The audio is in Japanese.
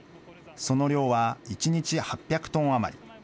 その量は１日８００トン余り。